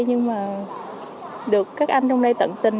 nhưng mà được các anh trong đây tận tình